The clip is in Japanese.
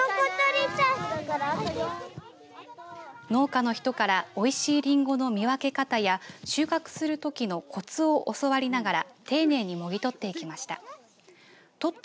農家の人からおいしいリンゴの見分け方や収穫するときのコツを教わりながら丁寧にもぎ取っていきました。